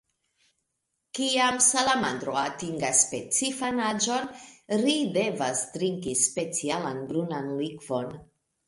Kiam salamandro atingas specifan aĝon, ri devas trinki specialan brunan likvon.